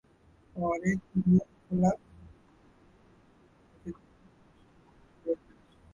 পরে তিনি নিকোলা হোরাউয়ের সাথে দীর্ঘমেয়াদী সম্পর্ক গড়ে তোলেন।